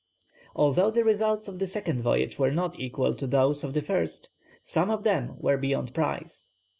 Although the results of the second voyage were not equal to those of the first, some of them were beyond price.